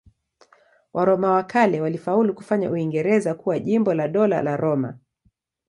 Waroma wa kale walifaulu kufanya Uingereza kuwa jimbo la Dola la Roma.